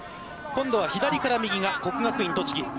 今度は左から右が国学院栃木。